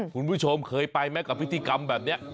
คุณผู้ชมเคยไปไหมกับพิธีกรรมแบบนี้